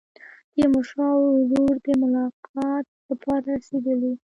تیمورشاه ورور د ملاقات لپاره رسېدلی.